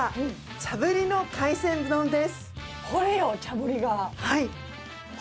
茶ぶりの海鮮丼です。